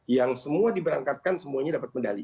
yang semua diberangkatkan semuanya dapat medali